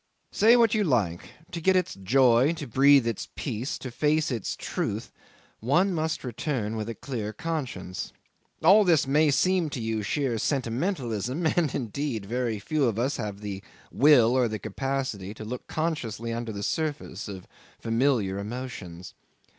Say what you like, to get its joy, to breathe its peace, to face its truth, one must return with a clear conscience. All this may seem to you sheer sentimentalism; and indeed very few of us have the will or the capacity to look consciously under the surface of familiar emotions.